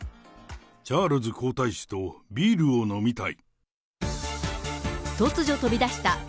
チャールズ皇太子とビールを飲みたい。